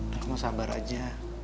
kamu sabar aja